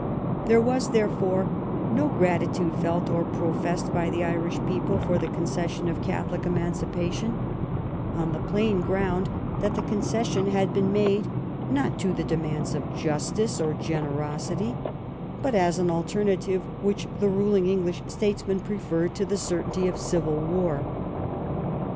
There was, therefore, no grati tude felt or professed by the Irish people for the oon* cession of Catholic emancipation, on the plain grotuid 177 THE REIGN OF QUEEN ANNE that the concession had been made, not to the demands of justice or generosity, but as an alternative which the ruling English statesmen preferred to the certainty of civil war.